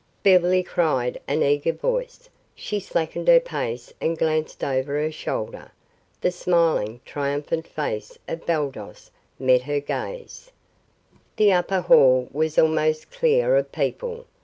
"Beverly," cried an eager voice. She slackened her pace and glanced over her shoulder. The smiling, triumphant face of Baldos met her gaze. The upper hall was almost clear of people.